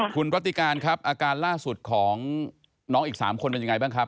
คุณรัติการครับอาการล่าสุดของน้องอีก๓คนเป็นยังไงบ้างครับ